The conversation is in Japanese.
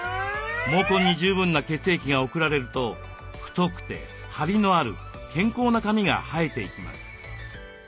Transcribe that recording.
毛根に十分な血液が送られると太くてハリのある健康な髪が生えていきます。